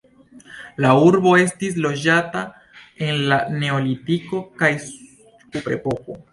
La urbo estis loĝata en la neolitiko kaj kuprepoko.